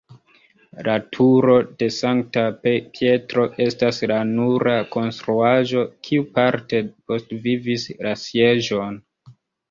La turo de Sankta Pietro estas la nura konstruaĵo kiu parte postvivis la Sieĝon.